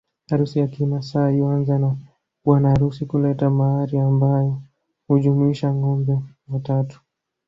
Harusi ya kimaasai huanza na bwana harusi kuleta mahari ambayo hujumuisha ngombe watatu